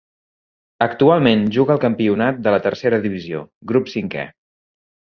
Actualment juga al campionat de la Tercera Divisió, grup cinquè.